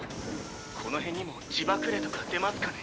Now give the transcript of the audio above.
この辺にも地縛霊とか出ますかね？